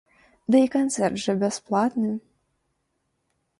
Ды і канцэрт жа бясплатны.